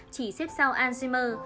chỉ xếp sau alzheimer